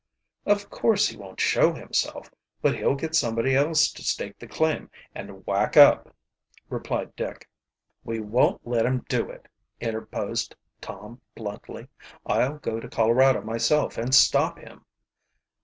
"Of course he won't show himself, but he'll get somebody else to stake the claim and whack up," replied Dick. "We won't let him do it," interposed Tom bluntly. "I'll go to Colorado myself and stop him."